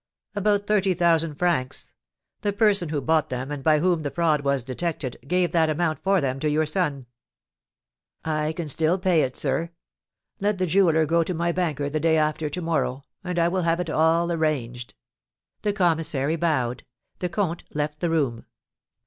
"About thirty thousand francs. The person who bought them, and by whom the fraud was detected, gave that amount for them to your son." "I can still pay it, sir. Let the jeweller go to my banker the day after to morrow, and I will have it all arranged." The commissary bowed. The comte left the room.